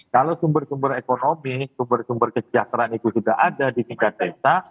kalau sumber sumber ekonomi sumber sumber kesejahteraan itu sudah ada di tingkat desa